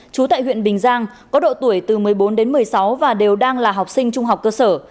trú tại huyện bình giang có độ tuổi từ một mươi bốn đến một mươi sáu và đều đang là học sinh trung học cơ sở